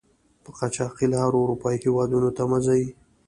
په قاچاقي لارو آروپایي هېودونو ته مه ځئ!